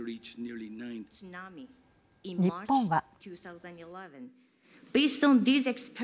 日本は。